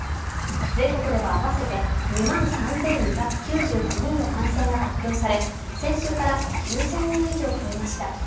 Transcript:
全国では合わせて２万３２９９人の感染が発表され、先週から９０００人以上増えました。